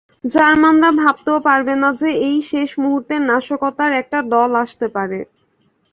জার্মানরা ভাবতেও পারবে না যে এই শেষ মুহূর্তে নাশকতার একটা দল আসতে পারে।